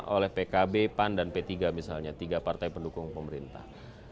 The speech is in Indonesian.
oleh pkb pan dan p tiga misalnya tiga partai pendukung pemerintah